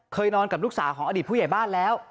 นอนกับลูกสาวของอดีตผู้ใหญ่บ้านแล้ว